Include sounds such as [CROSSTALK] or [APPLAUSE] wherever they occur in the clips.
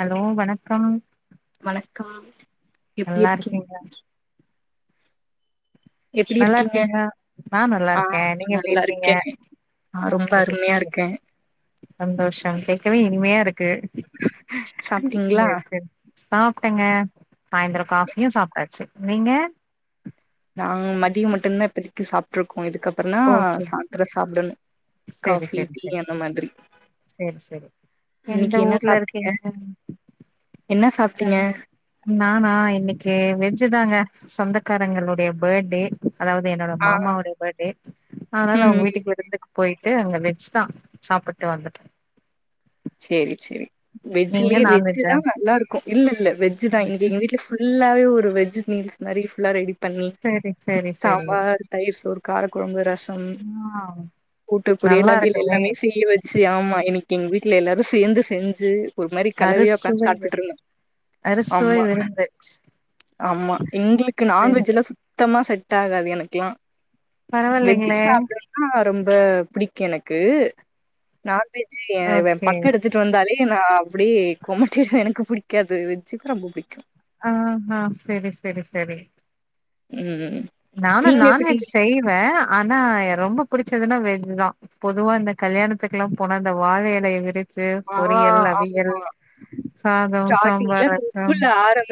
Hello வணக்கம் வணக்கம் எப்டி நல்லா இருக்கீ அரைச்சீங்களா நல்லா இருக்கீங்களா நா நல்லா ஆ இருக்கே நீங்க எப்டி நல்லா இருக்கீங்க இருக்கே ஆ ரொம்ப ஓகே அருமையா ஓகே இருக்கே சந்தோஷம் கேட்கவே இனிமயா இருக்கு சாப்ட்டீங்களா சேரி சேரி சாப்டங்க சாய்ந்தரம் காஃபியும் சாப்டாச்சு நீங்க நாங்க மதியோ மட்டுந்தா இப்பதிக்கு சாப்ட்ருக்கோ இதுக்கப்றந்தா ஓகே சாந்தரோ சாப்டணு சேரி காஃபி சேரி டீ சேரி அந்த மாதிரி சேரி சேரி இப்ப எந்த இன்னைக்கு என்ன ஊர்ல சாப்ட்டீங்க இருக்கீங்க என்ன அ சாப்டீங்க நானா இன்னிக்கு வெஜ்ஜீ தாங்க சொந்தக்காரங்களுடைய பேர்ட்டே அதாவது என்னோட ஆ மாமாவோடைய பேர்த்டே அதனால ம் அவுங்க ம் வீட்டுக்கு விருந்துக்கு போயிட்டு அங்க வெஜ்தா சாப்புட்டு வந்துட்டே சேரி சேரி நீங்க வெஜ்ஜிலயே நான்வெஜ்ஜா வெஜ்ஜிதா நல்லாருக்கு இல்லல்ல வெஜ்ஜிதா இன்னிக்கு எங்க வீட்ல புல்லாவே ஒரு வெஜ்ஜி மீல்ஸ் மாரி புல்லா ரெடி பண்ணி செரி செரி செரி சாம்பார் தயிர்சோர் காரக்கொழம்பு ரசம் ஆ கூட்டு நல்லா பொரியல் அவியல் இருக்குமே எல்லாமே செய்வ சி ஆமா இன்னிக்கு எங்க வீட்ல எல்லாரு சேந்து செஞ்சு ஒரு மாரி கலவயா உக்காந்து அறுசுவை சாப்டுட்ருந்தோ அறுசுவை ஆமா விருந்து ஆமா எங்களுக்கு செரி செரி நான்வெஜல்லா சுத் சுத்தமா செட்டாகாது எனக்ல்லா வெஜ்ஜு பரவாயில்லைங்களே சாப்ட ஆ ரொம்ப பிடிக்கு எனக்கு நான்வெஜ்ஜே ஏ ஓகே எடுத்துட்டு வந்தாலே நா அப்டியே கொமட்டிருவ எனக்கு புடிக்காது வெஜ்ஜிதா ரொம்ப புடிக்கும் ஆ ஆ செரி செரி செரி ம் ம் ம் நானு நான்வெஜ் செய்வ ஆனா ரொம்ப புடிச்சதுனா வெஜ் தா பொதுவா இந்த கல்யாணத்துக்குலா போனா அந்த வாழ எலய விரிச் சே ஆ பொரியல் அவியல் ஆமா சாதம் சாம்பார் ரசம்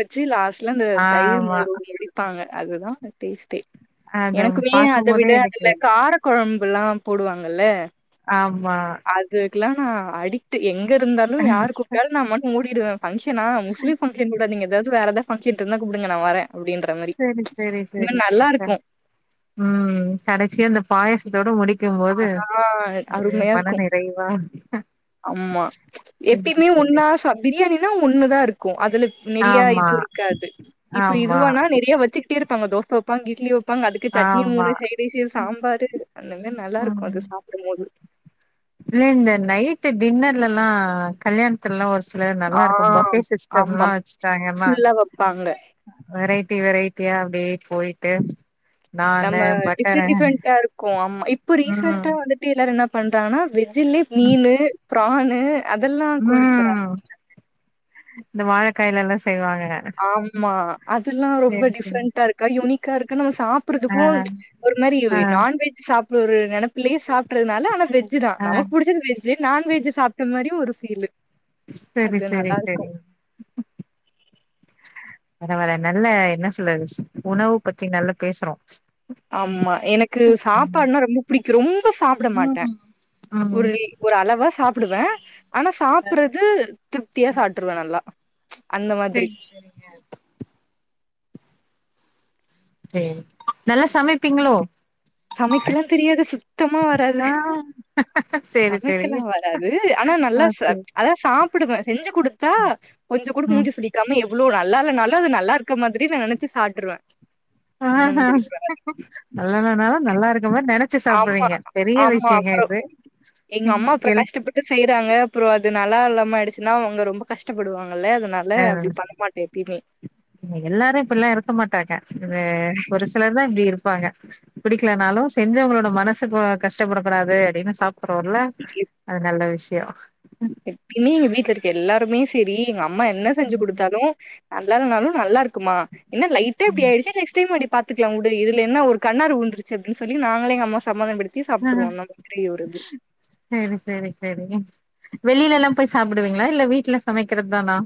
ச்சி லாஸ்ட்ல அந்த தயிர் ஆமா மோர்ல முடிப்பாங்க அதுதா டேஸ்ட்டே அத எனக்குமே அத பாக்கும் போதே விட எனக்கு அதுல கார கொழம்புலாம் போடுவாங்கள்ல ஆமா இதுக்கெல்லா நா அடிக்ட்டு எங்க இருந்தாலு யாரு கூப்டாலு நா மட்டு ஓடிடுவ பங்ஷனா முஸ்லீம் பங்ஷன் கூட நீங்க எதாது வேற எதாது பங்ஷன் இருந்த கூப்டுங்க நா வரே அப்டின்ற மாரி செரி செரி இன்னு நல்லா செரி இருக்கூ ம் கடைசியா அந்த பாயசத்தோட முடிக்கு போது ஆ ஒரு அருமையா மன இருக்கு நிறைவா ஆமா எப்பையுமே இருந்துச்சு. ஒன்னா ச பிரியாணின்னா ஒன்னுதா இருக்கு அதுல நெறையா ஆமா இது இருக்காது இப்ப ஆமா இதுவானா நெறைய வச்சு ட்டி இருப்பாங்க தோச வப்பாங் இட்லி வப்பாங் அதுக்கு சட்னி ஆமா மூனு சைடிஸ் சாம்பாரு அந்த மேர் நல்லா இருக்கு அது சாப்டு போது அதுலே இந்த நைட்டு டின்னர்லல்லா கல்யாண் த்துலா ஒரு சிலர் ஆ நல்லா இருக்கு பப்பே ஆமா சிஸ்டம்லா வச்சுட்டாங்கன்னா ஃபுல்லா வப்பாங்க வெரைட்டி வெரைட்டியா அப்டியே போயிட்டு நம்ம நானு டிஃப்ரெண்ட் பட்டரு டிஃப்ரெண்டா இருக்கு ஆமா இப்போ ம் ரீசெண்டா வந்துட் டு எல்லார் என்ன பண்றாங்கன்னா வெஜ்லயே மீனு ஃபிரானு அதெல்லா ம் கொண்டு வர ம். ஆரம்பிச்டாங்க இந்த வாழைக்காய்லலா செய்வாங்க ஆமா அதெல்லா ரொம்ப சேரி சேரி டிஃப்ரெண்ட்டா இருக்கா யுனிக்கா இருக்கு நம்ம சாப் ஆ சாப்புறதுக்கு ஒரு மாரி ஆ நான்வெஜ் சாப்புற ஒரு நெனப்புலயே சாப்டறதுனால ஆன வெஜ் தா ஆ நமக்கு புடிச்சது வெஜ்ஜு நான் வெஜ்ஜு சாப்ட மாரியு ஒரு ஃபீலு செரி அது செரி நல்லாருக்கும். செரி வர வர நல்ல என்ன சொல்றது உணவு பத்தி நல்லா பேசுறோ ஆம்மா எனக்கு ம் சாப்பாடுனா ரொம்ப புடிக்கு ரொம்ப சாப்புட மாட்டே ம் ம் உருளி ஒரு அளவா சாப்புடுவே ஆனா சாப்புறது திருப்தியா சாப்டுருவே நல்லா அந்த மாதிரி சேரி சேரிங்க சேரி நல்லா சமைப்பீங்களோ சமைக்கலாம் தெரியாது சுத்தமா வராது சே சமைக்கலா வராது ஆனா நல்லா ச அதா சாப்புடுவே செஞ்சு குடுத்தா கொஞ்ச கூட ம் மூஞ்சி சுளிக்காம எவ்ளோ நல்லா இல்லனாலும் அது நல்லா இருக்க மாறி நா நெனைச்சி சாப்டுருவேன் ஆஹ நல்லால்லன்னாலு நல்லா இருக்க மார் நென ச்சு ஆமா சாப்புற்றீங்க பெரிய ஆமா விஷ்யங்க அப்றோ இது ம் இல் ட்டு செய்றாங்க அப்புற அது நல்லா இல்லாம ஆயிடுச்சுன்னா அவங்க ரொம்ப கஷ்டப்படுவாங்கல்ல அத னால ஆ அப்டி பண்ணமாட்டே எப்பிம்மே எல்லாரு இப்பில்லா இருக்க மாட்டாங்க இதுவே ஒரு சிலர் தா இப்டி இருப்பாங்க பிடிக்கலனாலு செஞ்சவங்களோட மனசுக்கோ கஷ்டப்படக்கூடாது அப்பிடின்னு சாப் ப்புடுவோல்ல அது நல்ல விஷ்யோ எப்பையுமே எங்க வீட்ல இருக்க எல்லாருமே செரி எங்க அம்மா என்ன செஞ்சு ம் குடுத்தாலு நல்லா இல்லனாலு நல்லா இருக்கும்மா என்ன லைட்டா ஆ இப்டி ஆயிடுச்சு நெக்ஸ்ட் டைம் பாத்துக்கலா உடு இதுல என்ன ஒரு கண்ணாரு உழ்ந்துருச்சு அப்டின் சொல்லி நாங்களே எங்க அம்மாவ சம்மாதனம் படுத் த்தி சாப்ட்ருவோ [UNINTELLIGIBLE] அப்டி ஒரு இது சேரி சேரி சேரி வெளிலலா போய் சாப்டுவீங்களா இல்ல வீட்ல சமக்கிறது தானா?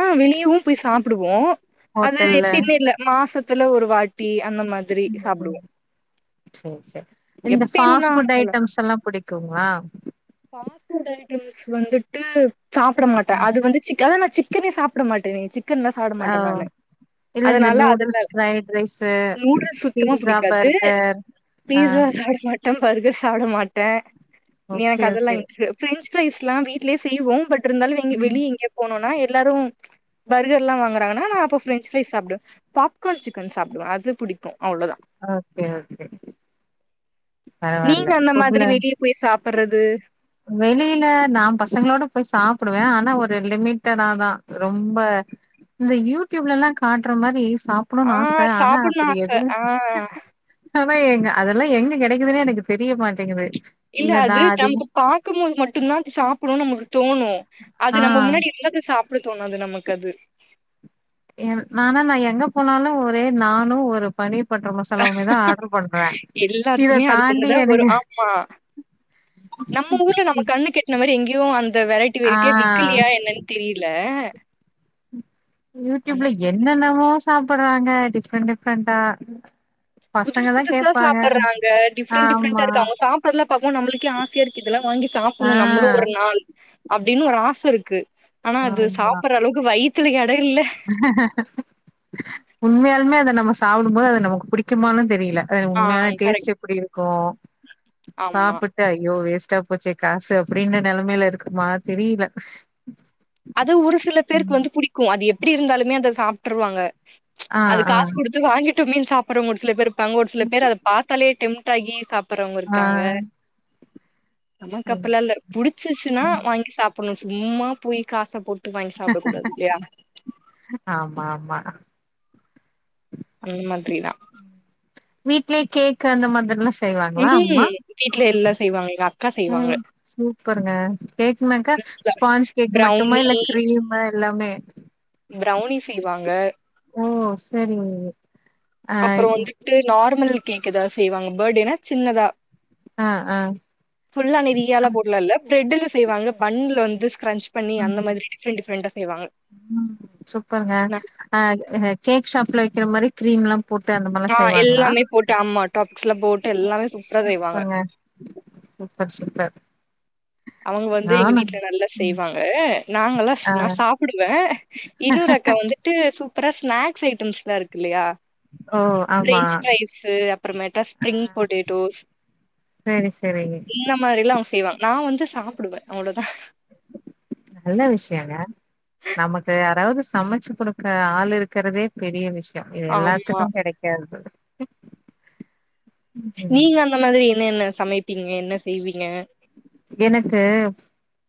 ஆ வெளியவும் போய் சாப்டடுவோ அது ஹோட்டல்ல எப்பயும் மே இல்ல, மாசத்துல ஒரு வாட் டீ அந்த மாதிரி சாப்டுவோ சேர் சேர் இந்த ஃபாஸ்ட் எப்பயும்லா ஃபுட் ஐட்டம்ஸ் எல்லா புடிக்குமா ஃபாஸ் ஃபுட் ஐட்டம்சு வந்துட்டு சாப்ட மாட்டே அது வந்து சிக்க அத நா சிக்க சிக்கனே சாப்ட மாட்டேனே சிக்கன்லா சாப்ட ஓ மாட்டே நானு இல்ல இந்த அதுனால அதுல நூடுல்ஸ் ஃப்ரைட் ரைஸு நூடுல்ஸ் சுத்தமா பீஸா புடிக்காது பர்கர் ஆ பீஷா சாப்ட மாட்டே பர்கர் சாப்ட மாட்டே நீ ஓகே எனக்கு அதெல்லா ஓகே இன்ட்ரெஸ் ஃப்ரெஞ்ச் ஃப்ரைஸ் ல்லா வீட்லே செய்வோ பட் இருந்தாலும் ம் வெளிய எங்கே போணும்னா எல்லாரு பர்கர் ல்லா வாங்குறாங்கானா அப்ப நா ஃப்ரெஞ்ச் ஃப்ரைஸ் சாப்டுவே பாப்கான் சிக்கன் சாப்பிடுவே அது புடிக்கு அவ்ளோதா ஓகே ஓகே நீங்க பரவால்ல அந்த மாதிரி ஃபுட்ல வெளியே போய் சாப்பர்றது வெளில நா பசங்களோட போய் சாப்டுவே ஆனா ஒரு லிமிட்டாதா ரொம்ப இந்த யூடியூப்ல எல்லா காட்டுற மாரி ஆ சாப்படணு ஆச ஆனா சாப்புட்னு அப்டி ஆச எதுவு ஆ ஆனா எங்க அதெல்லாம் எங்க கெடக்குதுன்னே எனக்கு தெரிய மாட்டேங்குது இல்ல அது நம்க்கு பாக்கும்போது மட்டுந்தா அது சாப்டவு நம்மளுக்கு தோணும் ஆ அது நம்ம முன்னாடி இருந்தது சாப்ட தோணாது நமக்கு அது ஏன் நானா எங்க போனாலு ஒரே நானும் ஒரு பனீர் பட்டர் மசாலாவுமே தா ஆடர் பண்றே இத எல்லாருக்குமே அது தாண்டி ஒண்ணுதா வரு எனுக்கு ஆமா நம்ம ஊர்ல நம்ம கண்ணுக்கு இந்த மாதிரி எங்கேயு அந்த வெரைட்டி ஆ வெரைட்டியா விக்கலையா என்னன்னு தெரில யூடியூப்ல என்னென்னமோ சாப்டுறாங்க டிஃப்ரெண் டிஃப்ரெண்டா புதுஸ் பசங்கதா புதுசா கேப்பாங்க சாப்ட்றாங்க டிப்ரெண்ட் டிஃரெண்டா ஆமா இருக்கு அவுங்க சாப் அதெல்லா பாக்கும் போது நம்மளுக்கே ஆசையா இருக்கு இதெல்லா வாங்கி ஆ சாப்பணு நம்ளு ஒரு நாள் அப்டின்னு ஒரு ஆச இருக்கு ஆனா அது ஆமா சாப்டுற அளவுக்கு வயித்துல எடோ இல்ல உண்மையாலுமே அத நம்ம சாப்டும் போது அத நமக்கு பிடிக்குமானு தெரில அது ஆ உண்மையான டேஸ்ட் கரெக்ட் எப்டி இருக்கு ஆமா சாப்புட் ஐயோ வேஸ்ட்டா போச்சே காசு அப்டின்ன நெலமைல இருக்குமா தெரில அது ஒரு சில பேருக்கு ம் வந்து புடிக்கும் அது எப்டி இருந்தாலுமே அத சாப்ட்டுருவாங்க ஆ அது ஆ காசு கொடு இது வாங்கிட்டோமேனு சாப்டற மூட்ஸ்ல சில பேர் இருப்பாங்க ஒரு ஒரு சில பேர் அத பாத்தாலே டெம்ப்ட் ஆகி சாப் ப்படுறவங்க ஆ இருக்காங்க நமக்கு ம் அப்டில்லா ல புடிச்சிச்சுன்னா ம் வாங்கி சாப்டணு சும்மா போய் காச போட்டு வாங்கி சாப்ட கூடாது இல்லையா ஆமா ஆமா அந்த மாதிரி தா வீட்லே கேக்கு அந்த மாதிரில்லா செய்வாங்களா அம்மா ம் வீட்ல எல்லா செய்வாங்க எங்க அக்கா செய்வாங்க ம் சூப்பருங்க கேக்னாக்கா ஸ்பாஞ்ச் கேக் மட்டுமா ப்ரௌனி இல்ல க்ரீம்மு எல்லாமே ப்ரௌனி செய்வாங்க ஓ சேரிங் உஊ அப்றோ வந்துட்டு நார்மல் கேக் ஏதாவ்து செய்வாங்க பேர்த்டேனா சின்னதா ஆ ஆ ஃபுல்லா நெறியால போடல ல பிரெட்ல செய்வாங்க பண்ல வந்து ஸ்கரன்ச் உம் ம் சூப்பர்ங்க நான் ஆ அ கேக் ஷாப்ல விக்கிற மாரி க்ரீம் லா போட்டு அந்த மார் ஆ எல்லாமே போட்டு அம்மா டாப்க்ஸ்லா போட்டு எல்லாமே சுப்ர்ரா செய்வாங்க சூப்பருங்க சூப்பர் சூப்பர் அவங்க வந்து எங்க நானு வீட்ல நல்லா ம் செய்வாங்க நாங்கலா ஆ நா சாப்புடுவே இன்னொரு அக்கா வந்துட்டு சூப்பரா ஸ்நாக்ஸ் ஐட்டம்ஸ் ல்லா இருக்கு ல்லயா [UNINTELLIGIBLE] பிரெஞ்ச் ஃபிரைசு அப்பரோமேடு ஸ்ப்ரிங் பொட்டேட்டோஸ் செரி செரிங்க இந்தமாரிலா அவுங்க செய்வாங்க நா வந்து சாப்புடுவே அவ்ளோதா நல்ல விஷ்யங்க நமக்கு யாராவ்து சமச்சு கொடுக்ற ஆள் இருக்கறதே. பெரிய விஷ்யோ இது ஆமா. எல்லாத்துக்கு கெடைக்காது ம் நீங்க அந்த மாதிரி என்னென்ன சமைப்பீங்க என்ன செய்வீங்க எனக்கு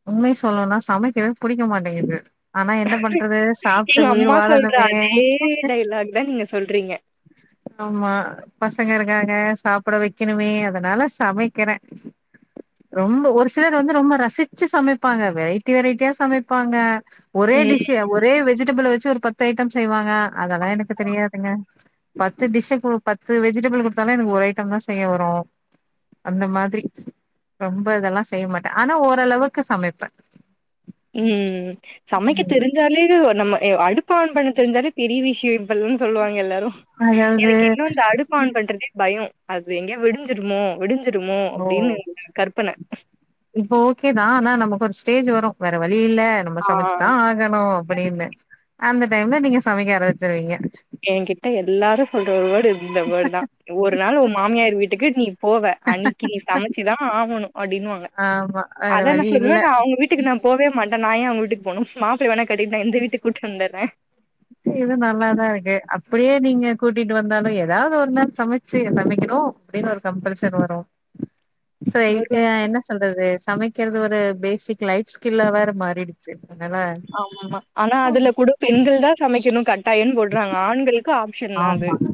உண்மைய சொல்னுன்னா சமைக்கவே புடிக்க மாட்டேங்குது ஆனா என்ன பண்றது சாப்ட்டு எங்க உயிர் அம்மா சொல்ற வாழணுமே அதே டயலாக் தான் நீங்க சொல்றீங்க. ஆமா பசங்க இருக்காங்க சாப்புட வெக்கணுமே அதனால சமைக்கிறே ரொம்ப ஒரு சிலர் வந்து ரொம்ப ரசிச்சு சமைப்பாங்க வெரைட்டி வெரைட்டியா சமைப்பாங்க ஒரே ம். டிஷ்ஷு ஒரே வெஜிடபிள வெச்சு ஒரு பத்து ஐட்டம் செய்வாங்க அதெல்லா எனக்கு தெரியாதுங்க பத்து டிஷ்ஷ குடு பத்து வெஜிடபிள் குட்த்தாலு எனக்கு ஒரு ஐட்டம் தா செய்ய வரு அந்த மாதிரி ரொம்ப இதெல்லாசெய்ய மாட்டே ஆனா ஓரளவுக்கு சமைப்பே ம் சமைக்க ம் தெரிஞ்சாலே ஒரு நம்ம ஏ அடுப்ப ஆன் பண்ண தெரிஞ்சாலே பெரிய விஷ்யோ இப் பல்னு சொல்லுவாங்க எல்லாரு அதாவது எனக்கு இன்னு அந்த அடுப் அடுப்பு ஆன் பண்றதே பயோ அது எங்கயோ வெடிஞ்சிருமோ வெடிஞ்சிருமோ அப்டின்னு ஒரு கற்பன இப்ப ஓகே தா ஆனா நமக்கு ஒரு ஸ்டேஜ் வரு வேற வழி இல்ல நம்ம ஆ. சமச்சுதா ஆகணு அப்டின்னு அந்த டைம்ல நீங்க சமைக்க ஆரம்பிச்சிருவீங்க ஏங்கிட்ட எல்லாரு சொல்ற ஒரு வேர்ட் இந்த வேர்டு தா ஒரு நாள் ஒ மாமியார் வீட்டுக்கு நீ போவ அன்னிக்கி நீ சமச்சிதா ஆகணு அப்டின்னுவாங்க ஆமா வேற அதா நா வழி சொல்லுவே இல்ல நா அவுங்க வீட் டுக்கு நா போவே மாட்டே நா ஏ அவ்ங்க வீட்டுக்கு போனு மாப்ளையா வேணா கட்டிட்டு இந்த வீட்டுக்கு கூட்டு வந்துறே ஏ இது நல்லாதா இருக்கு அப்டியே நீங்க கூட்டிட்டு வந்தாலு எதாவ்து ஒரு நாள் சமச்சு சமைக்கணு அப்டின்னு ஒரு கம்பல்ஷன் வரு சோ எங் வரு என்ன சொல்றது சமைக் க்கெறது ஒரு பேசிக் லைஃப் ஸ்கில்லா வேற மாறிடுச்சு அதனால ஆம்மா ஆனா அதுல கூட பெண்கள் தா சமைக்கணு கட்டாயன்னு போட்றாங்க ஆண்கள் ஆமாங்க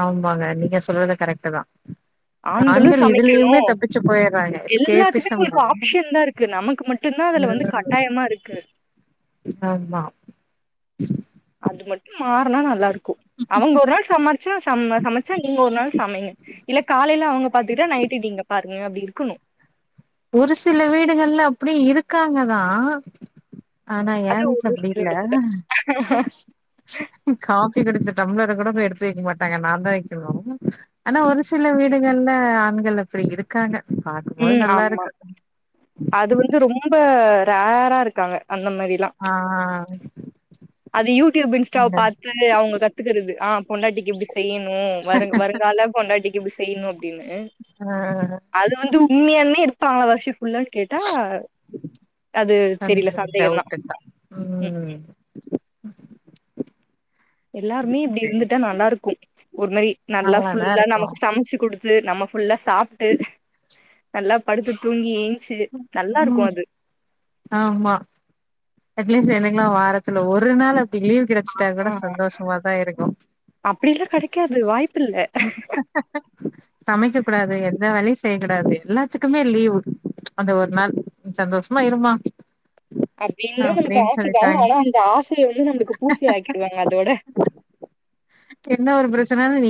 ஆமாங்க நீங்க சொல்றது கரெக்ட்டு தா ஆண்களு ஆண்கள் சமைக்கணு இதுலயுமே தப்பிச்சு போயிர்றாங்க எஸ்கேபிசம் தான க்கு நமக்கு மட்டுந்தா அதுல வந்து ம் கட்டாயமா இருக்கு ஆமா அது மட்டு மாறுனா நல்லா இருக்கு அவங்க ஒரு நாள் சமர்ச்சா சம்ம சமச்சா நீங்க ஒரு நாள் சமைங்க இல்ல காலைல அவ்ங்க பாத்துக்கிட்டா நைட்டு நீங்க பாருங்க அப்டி இருக்கணு ஒரு சில வீடுங்கள்ல அப்டி இருக்காங்கதா ஆனா ஏ அது வீட்டுல ஒரு அப்புடி சில இல்ல இடத்துல காபி குடிச்ச டம்ளர கூட போய் எடுத்து வைக்க மாட்டாங்க நா தா வெக்கணு ஆனா ஒரு சில வீடுகள்ல ஆண்கள் அப்டி இருக் க்காங்க பாத்து ம் ஆமா அது வந்து ரொம்ப ரேரா இருக்காங்க அந்த மாரிலா ஆ அது யூடியூப் இன்ஸ்டாவ பாத் ட்ரு அவ்ங்க கத்துக்குறது ஆ பொண்டாட்டிக்கு இப்டி செய்யணு வருங் வருங்கால பொண்டாட்டிக்கு இப்டி செ செய்ணு அப்டின்னு ஆஹ் இது வந்து உண்மியாலுமே எடுத்தாங்க வர்ஷி ஃபுல்லா கேட்டா அது தெரில சந்தேக சந்தேகந்தா டவுட்டு தா ம் [INAUDIBLE] எல்லாருமே இப்டி சரி இருந்துட்டா நல்லாருக்கு ஒரு மாரி நல்லா நல்லாதா ஃபுல்லா இருக்கு நமக்கு சமச்சு குடுத்து நம்ம ஃப் ஃபுல்லா சாப்டுட்டு நல்லா படுத்து தூங்கி ஏஞ்சு நல்லாருக்கு ம் அது ஆமா அட்லீஸ்ட் எனக்லா வாரத்துல ஒரு நாள் அப்டி லீவ் கிடச்சிட்டா கூட சந்தோஷமாதா இருக்கு அப்டிலா கெடைக்காது வாய்ப்பில்ல சமைக்க கூடாது எந்த வேலயு செய்யக்கூடாது எல்லாத்துக்குமே லீவு அந்த ஒரு நாள் ம் சந்தோஷமா இருமா அப்டின்னு நமக்கு ஆசதா ஆனா அந்த ஆசைய வந்து நம்ளுக்கு பூசியாக்கிடுவாங்க அதோட என்ன ஒரு பிரச்சனனா நீ